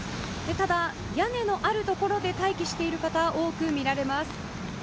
ただ、屋根のある所で待機している方多く見られます。